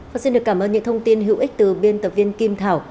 học sinh được cảm ơn những thông tin hữu ích từ biên tập viên kim thảo